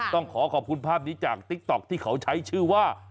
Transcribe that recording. ต้องขอขอบคุณภาพนี้จากติ๊กต๊อกที่เขาใช้ชื่อว่า